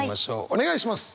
お願いします。